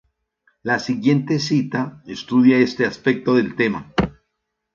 La siguiente cita estudia este aspecto del tema.